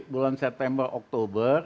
bulan september oktober